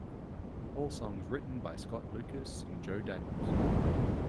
All songs written by Scott Lucas and Joe Daniels.